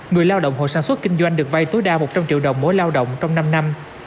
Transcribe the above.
người lao động hội sản xuất kinh doanh được vay tối đa một trăm linh triệu đồng mỗi lao động trong năm năm